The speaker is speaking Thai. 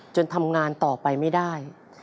ทำงานต่อไปไม่ได้